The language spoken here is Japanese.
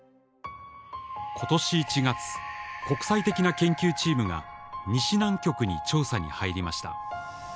今年１月国際的な研究チームが西南極に調査に入りました。